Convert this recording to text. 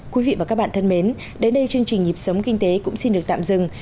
quý vị và các bạn thân mến đến đây chương trình nhịp sống kinh tế cũng xin được tạm dừng